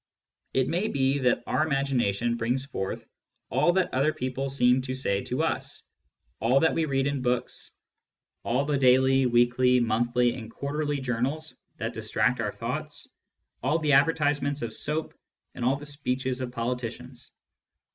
It may be that our imagination brings forth all that other people seem to say to us, all that we read in books, all the daily, weekly, monthly, and quarterly journals that distract our thoughts, all the advertisements of soap and all the speeches of politicians.